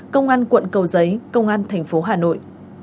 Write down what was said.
công an quận cầu giấy công an thành phố hà nội